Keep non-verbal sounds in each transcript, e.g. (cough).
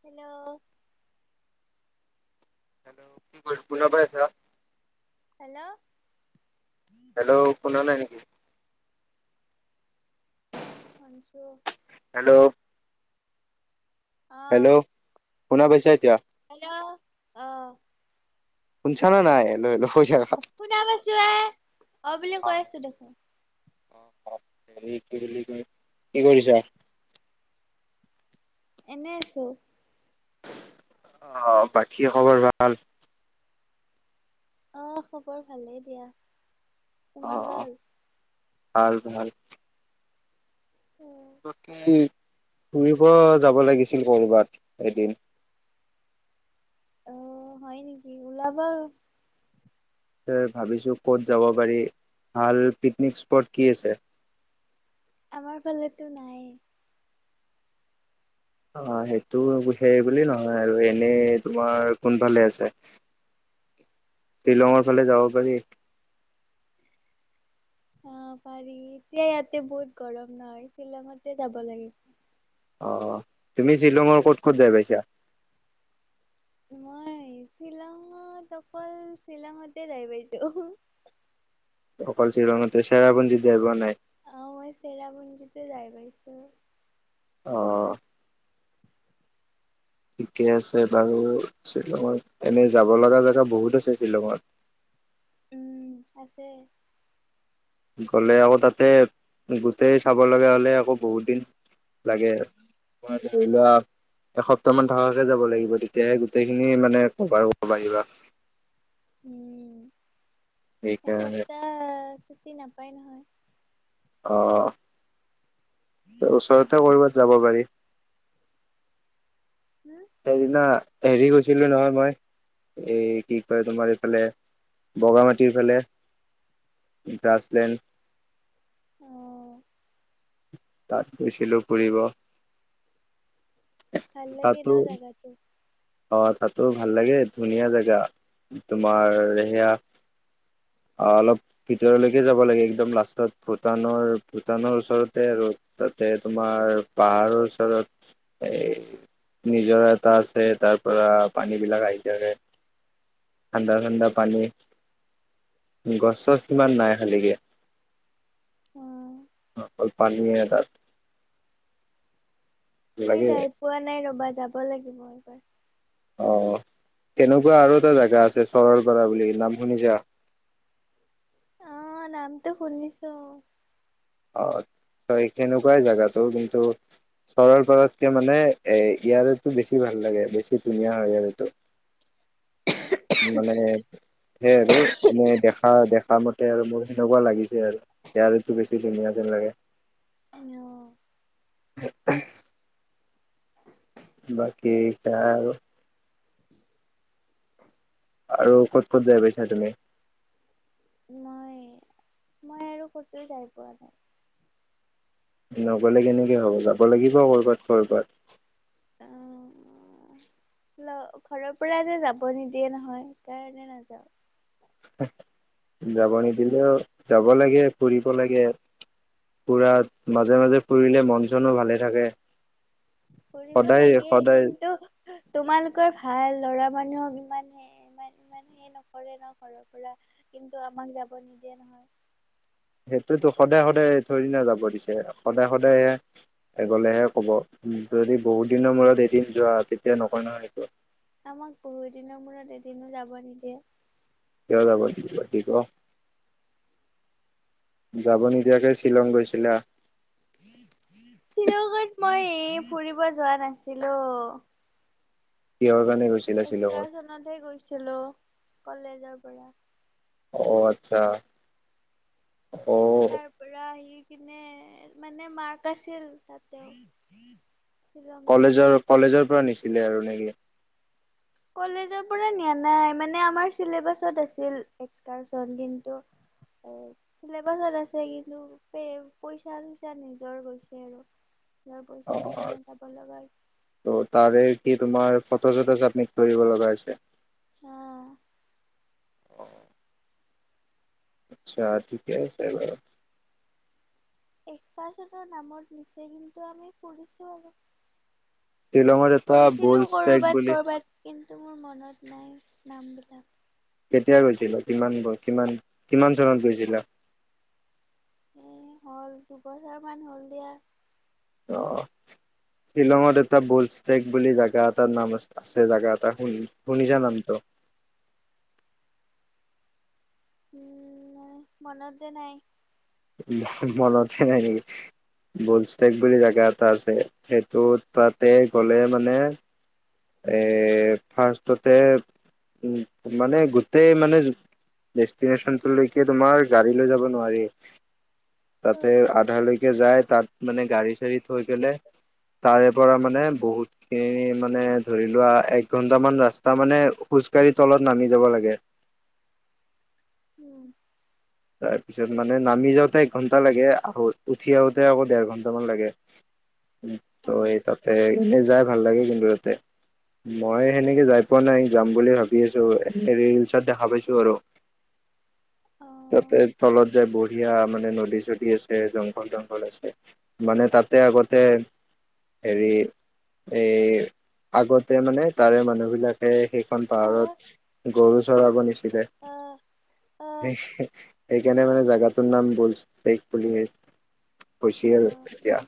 Hello. Hello কি কৰি পুণ ভাই আছ হেল্ল'। হেল্ল' শুনা নাই নেকি? শুনচো। হেল্ল'। অ হেল্ল' শুনা পাইছা এতিয়া? হেল্ল' অ শুনচানা নাই লৈ (unintelligible) শুনা পাইছো এ অ', বুলি কৈ আছো দেখোন। হে কি বুলি কয় কৰিছা? এনে আছো। অহ, বাকী খবৰ ভাল? অহ, খবৰ ভালেই দিয়া। তোমাৰ অ' ভাল? ভাল, ভাল। বাকী ফুৰিব যাব লাগিছিল কৰবাত এদিন। অ', হয় নেকি ওলাবা। ভাবিছো ক'ত যাব পাৰি, ভাল পিকনিক স্পট কি আছে? আমাৰ ফালেটো নাই। অ', সেইটো সেই বুলি নহয় আৰু এনে তোমাৰ কোনফালে আছে? শ্বিলঙৰ ফালে যাব পাৰি? অহ, পাৰি এতিয়া ইয়াতে বহুত গৰম নহয় শ্বিলঙতে যাব লাগিব। তুমি শ্বিলঙৰ ক'ত ক'ত যাই পাইছা মই শ্বিলঙত অকল শ্বিলঙতে যাই পাইছো অকল শ্বিলঙতে চেৰাপুঞ্জীত যায় পোৱা নাই অ মই চেৰাপুঞ্জীতে যাই পাইছো আহ ঠিকে আছে বাৰু শ্বিলঙত এনেই যাব লগা জেগা বহুত আছে শ্বিলঙত উম আছে গলে আকৌ তাতে গোটেই চাব লগা হলে আকৌ বহুত দিন লাগে ম ধৰি লোৱা এসপ্তাহ মান থকাকে যাব লাগিব তেতিয়াহে গোটেইখিনি মানে কভাৰ কৰিব পাৰিবা (inaudible) সেইকাৰণে ছুটি নাপায় নহয় অ ওচৰতে ক'বাত যাব পাৰি হুম। সেইদিনা হেৰি গৈছিলো নহয় মই এই কি কয় তোমাৰ এইফালে বগামাটিৰফালে গ্ৰাছলেণ্ড (inaudible) তাত গৈছিলো ফুৰিব ভাল লাগে না তাতো জেগাটো অ তাতো ভাল লাগে ধুনীয়া জেগা তোমাৰ সেয়া অ অলপ ভিতৰলৈকে যাব লাগে একদম লাষ্টত ভূটানৰ ভূটানৰ ওচৰতে আৰু তাতে তোমাৰ পাহাৰৰ ওচৰত এ নিজৰা এটা আছে তাৰ পৰা পানী বিলাক আহি থাকে ঠাণ্ডা ঠাণ্ডা পানী গছ চছ ইমান নাই খালিকে (inaudible) অল পানীয়ে তাত মই লাগে যাই পোৱা নাই নবাত যাব লাগিব এইবাৰ অ কেনেকুৱা আৰু এটা জোগা আছে চৰল পাৰা বুলি নাম শুনিছা আহ নামটো শুনিছো অ সেনেকুৱাই জোগাটো কিন্তু চৰল পাৰতকে মানে এ ইয়াৰটো বেছি ভাল লাগে বেছি ধুনীয়া হয় ইয়াৰ টো মানে সেই আৰু এনে দেখা দেখা মতে আৰু মোৰ সেনেকুৱা লাগিছে আৰু ইয় টো বেছি কি ধুনীয়া যেন লাগে (inaudible) অহ (unintelligible) বাকী আৰু আৰু ক'ত ক'ত যায় পাইছা তুমি মই মই আৰু কতো যাই পোৱা নাই নগলে কেনেকে হব যাব লাগিব কৰ'বাত কৰ'বাত অ ঘৰৰ পৰা যে যাব নিদিয়ে নহয় কাৰণে নাযাও যাব নিদিলেও যাব লাগে ফুৰিব লাগে ফুৰাত মাজে মাজে ফুৰিলে মন চনো ভালে থাকে কৰিব সদায় লাগে সদায় কিন্তু তোমালোকৰ ভাল লৰা মানুহক ইমান স ই ইমান সেই নকৰে ন ঘৰৰ পৰা কিন্তু আমাক যাব নিদিয়ে নহয় সেইটোতো সদায় সদায় থৰেনা যাব দিছে সদায় সদায়হে গলেহে কব যদি বহুত দিনৰ মূৰত এদিন যোৱা তেতিয়া নকয় নহয় সেইটো আমাক বহুদিনৰ মূৰত এদিনো যাব নিদিয়ে কিয় যাব নিদিব দিব যাব নিদিয়াকে শ্বিলং গৈছিলা শ্বিলং মই এই ফুৰিব যোৱা নাছিলো কিয় এক্সচনত হে গৈছিলো কলেজৰ পৰা অ আচ্ছা অ তাৰ পৰা আহি কিনে মানে মাৰ্ক আছিল তাতে কলেজৰ কলেজৰ পৰা নিশি ছিলে আৰু নেকি কলেজৰ পৰা নিয়া নাই মানে আমাৰ চিলেবাছত আছিল এক্সকাৰচন। কিন্তু চিলেবাছত আছে কিন্তু পইচা চইচা নিজৰ গৈছে আৰু নিজৰ পইচা অ দি কেনে যাব লগা হৈছে। ত তাৰে কি তোমাৰ ফটো চটো চাবমিত কৰিব লগা হৈছে অ' আচ্ছা ঠিকে আছে বাৰু এক্সপাৰনৰ নামত নিচে কিন্তু আমি ফুৰিছো আৰু টিলঙৰ এটা বলষ্টাইক বুলি টো মোৰ মনত নাই নাম বিলাক কেতিয়া গৈছিলা কিমান ব কিমান কিমান চনত গৈছিলা? এ হ'ল দুবছৰ মান হ'ল দিয়া অ শ্বিলঙত এটা বুলষ্টেক বুলি জোগা এটাৰ নাম আছে আছে জাগা এটা শুনি শুনিছা নামটো উম মনত যে নাই মনতে নাই নেকি, বুলষ্টেক বুলি জোগা এটা আছে। সেইটো তাতে গলে মানে এ ফাৰ্ষ্টতে উ মানে গোটেই মানে ডেষ্টিনেচনটোলৈকে তোমাৰ গাড়ী লৈ যাব নোৱাৰি তাতে আধালৈকে যায় তাত মানে গাড়ী চাঢ়ি থৈ কিনে তাৰে পৰা মানে বহুত খিনি মানে ধৰি লোৱা এক ঘন্টা মান ৰাস্তা মানে খোজ কঢ়ি তলত নামি যাব লাগে উম তাৰ পিছত মানে নামি যাওঁতে এক ঘন্টা লাগে, আৰু উঠি আহোতে আকৌ ডেৰ ঘন্টামান লাগে। অ ত এই তাতে এনেই যাই ভাল লাগে কিন্তু তাতে। মই সেনেকে যাই পোৱা নাই, যাম বুলি ভাবি আছো। ৰিলচত দেখা পাইছো আৰু অ' তাতে তলত যায় বঢ়িয়া মানে নদী চদী আছে, জংঘল জংঘল আছে, মানে তাতে আগতে হেৰি এই আগতে মানে তাৰে মানুহ বিলাকে সে- প অ পাৰত (unintelligible) গৰুচৰাব নি (unintelligible) অ অ সেইকাৰনেে মানে জোগাটোৰ নাম বুল্স বেক বুলি অ খুছিয়ে তেতিয়া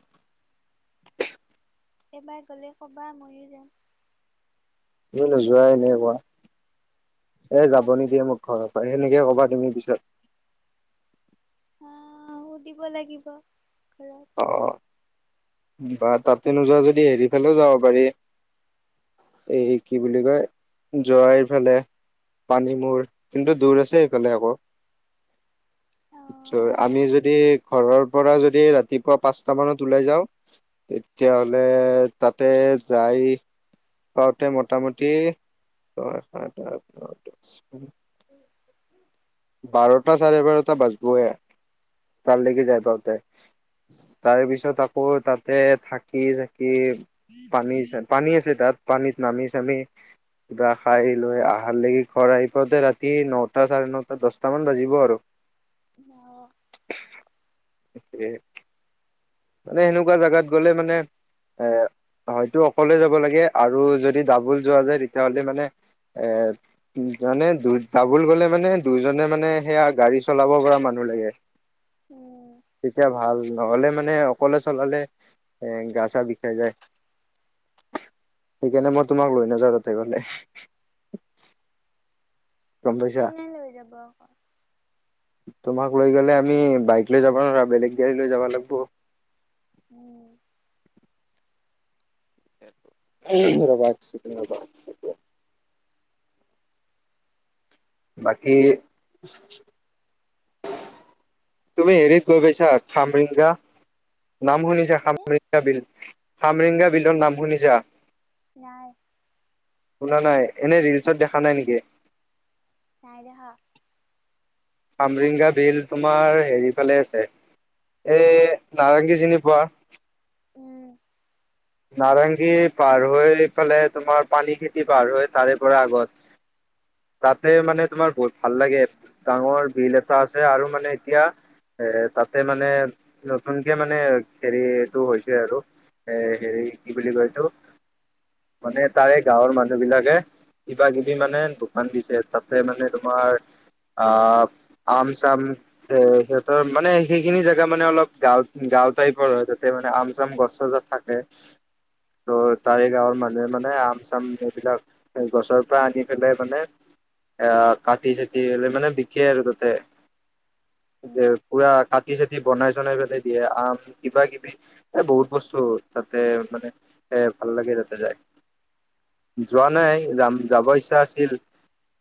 এবাৰ গ'লে কব মৰিও যাম ক নো যোৱাই ন কোৱা (unintelligible) এ যাব যাম দিয়া নিদিয়ে মোক ঘৰৰ পৰা সেনেকে ক'বা তুমি পিছত অ সুধিব লাগিব হেল্ল অ বা তাতে নোযোৱা যদি হেৰি ফালেও যাব পাৰি, এই কি বুলি কয় জয়ৰা ফালে, পানী মৰ কিন্তু দূৰ আছে সেইফালে। আকৌ অ আমি যদি ঘৰৰ পৰা যদি ৰাতিপুৱা পাঁচটা মানত ওলাই যাওঁ তেতিয়াাহ'লে তাতে যাই পাওঁতে মোটামুটি ছয় সাত আ (inaudible) বাৰটা চাৰে বাৰটা বাজবেই তাল লকে যাই পাওঁতে তাৰে পিছত আকৌ তাতে থাকি কি পানী, পানী আছে তাত। পানীত নামি চামি কিবা খাই লৈ আহাৰ লকি ঘৰ আহি পাওঁতে ৰাতি নটা চাৰে ন দছটামান বাজিব আৰু। অ তাকে। মানে সেনেকুৱা জোগাত গ'লে মানে এ হয়তো অকলে যাব লাগে আৰু যদি ডাবুল যোৱা যায় তেতিয়াহ'লে মানে এৰ মানে দু ডাবুল গ'লে মানে দুজনে মানে সেয়া গাড়ী চলাব পৰা মানুহ লাগে। উম তেতিয়া ভাল। নহ'লে মা মানে অকলে চলালে এ গা চা বিষাই যায় সেইকাৰণে মই তোমাক লৈ নাযাওঁ তাতে গ'লে। গম পাইছা। কোনে লৈ যাব আকৌ? তোমাক লৈ গ'লে আমি বাইক লৈ যাব নোৱাৰা বেলেগ গাড়ী লৈ যাব লাগিব। উম। এই ৰ'বা এক ছেকেণ্ডত ৰ'বা। বাকী তুমি হেৰিত গৈ পাইছা খামৰেংগা? নাম শুনিছে কি খামৰেংগা বিল। খামৰেংগা বিলৰ নাম শুনিছা? নাই। শুনা নাই, এনে ৰিলচত দেখা নাই নেকি? নাইদেখা। খামৰেংগা ভিল তোমাৰ হেৰি ফালে আছে, এ নাৰেংগী চিনি পোৱা? উম। নাৰেংগী পাৰ হৈ পালে তোমাৰ পানী খেতি পাৰ হৈ তাৰে পৰা আগত তাতে মানে তোমাৰ বহুত ভাল লাগে ডাঙৰ বিল এটা আছে আৰু মানে এতিয়া এ তাতে মানে নতুনকে মানে হেৰিটো হৈছে আৰু এ হেৰি কি বুলি কয়টো মানে তাৰে গাঁৱৰ মানুহ বিলাকে কিবা কিবি মানে দোকান দিছে তাতে মানে তোমাৰ অহ, আম চাম এ সিহঁতৰ মানে সেইখিনি জেগা মানে অলপ গাওঁ গাওঁ টাইপৰ হয় তাতে মানে আম চাম গছজাত থাকে। ত' তাৰে গাঁৱৰ মানুহে মানে আম চাম এইবিলাক গছৰ পৰা আনি পেলাই মানে এ কাটি চাটিলে মানে বিকে আৰু তাতে। এতি উম পুৰা কটিছে যি বনাই জননাই পেলাই দিয়ে আম কিবা কিবি এ বহুত বস্তু তাতে মানে এ ভাল লাগে তাতে যায় যোৱা নাই যাম যাব ইচ্ছা আছিল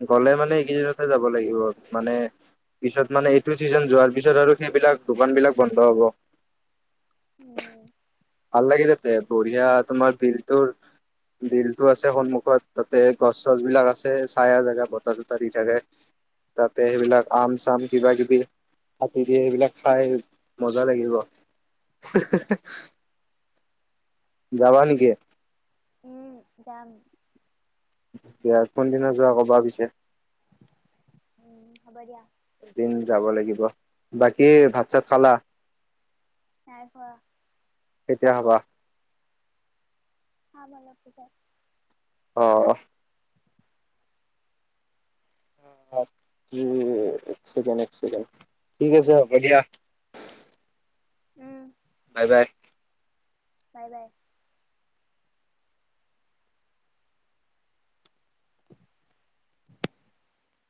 গ'লে মানে এইকেইদিনতে যাব লাগিব মানে পিছত মানে এইটো চিজন যোৱাৰ পিছত আৰু সেইবিলাক দোকান বিলাক বন্ধ হ'ব। উম। ভাল লাগিল তাতে বঢ়িয়া তোমাৰ বিলটোৰ বিলটো আছে সন্মুখত তাতে গছ চছ বিলাক আছে চাইয়া জেগা বতাৰ চতাৰ দি থাকে তাতে সেইবিলাক আম চাম কিবা কিবি কাটি দে সেইবিলাক খাই মজা লাগিব। যাবা নেকি? উম, যাম। দিয়া কোনদিনা যোৱা ক'বা পিছে। উম, হ'ব দিয়া। এদিন যাব লাগিব, বাকী ভাত চাত খালা? নাই পোৱা। কেতিয়া হ'বা? খাম অলপ পিছত। অ'। কে এককেণ, ঠিক আছে হ'ব দিয়া। উম। বাই, বাই। নাই নাই